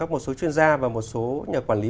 một số chuyên gia và một số nhà quản lý